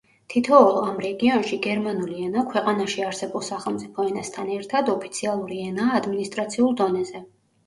თითოეულ ამ რეგიონში, გერმანული ენა, ქვეყანაში არსებულ სახელმწიფო ენასთან ერთად, ოფიციალური ენაა ადმინისტრაციულ დონეზე.